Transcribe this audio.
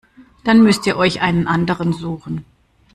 Dann müsst ihr euch einen anderen suchen.